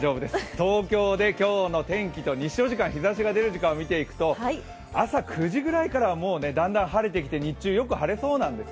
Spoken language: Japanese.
東京で今日の天気と日照時間、日ざしの出る時間を見ていくと、朝９時ぐらいからはだんだん晴れてきて日中はよく晴れそうです。